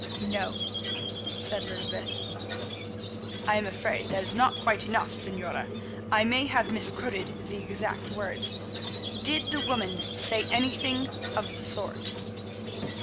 "No," said Lysbeth. "I am afraid that is not quite enough, Señora; I may have misquoted the exact words. Did the woman say anything of the sort?"